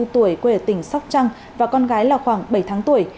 ba mươi bốn tuổi quê ở tỉnh sóc trăng và con gái là khoảng bảy tháng tuổi